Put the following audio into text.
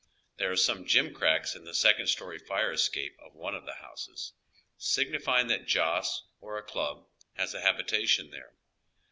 There are some gimcracks iTi the second story fire escape of one of the houses, signi fying that Joss or a club has a habitation there.